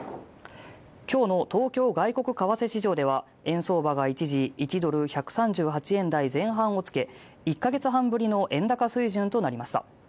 今日の東京外国為替市場では円相場が一時１ドル＝１３８円台前半を付け、１ヶ月半ぶりの円高水準となりました。